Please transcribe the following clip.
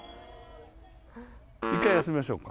１回休みましょうか。